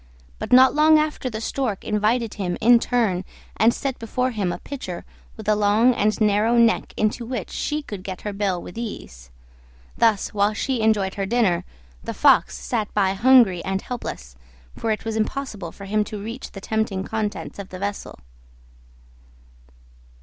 But not long after the Stork invited him in turn, and set before him a pitcher with a long and narrow neck, into which she could get her bill with ease. Thus, while she enjoyed her dinner, the Fox sat by hungry and helpless, for it was impossible for him to reach the tempting contents of the vessel.